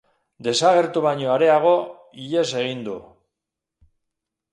Desagertu baino areago, ihes egin du.